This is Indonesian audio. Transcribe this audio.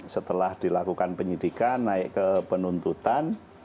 setelah dilakukan penyidikan naik ke penuntutan